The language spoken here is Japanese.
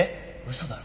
嘘だろ。